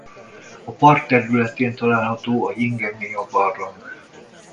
A park területén található a Jingemia-barlang.